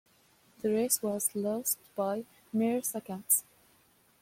The race was lost by mere seconds.